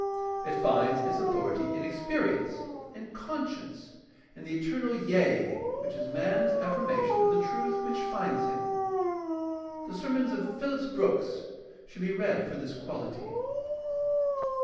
It finds its authority in experience, in conscience, in the eternal yea, which is man's affirmation of the truth which finds him. The sermons of Phillips Brooks should be read for this quahty.